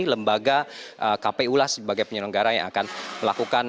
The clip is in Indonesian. jadi lembaga kpu lah sebagai penyelenggara yang akan melakukan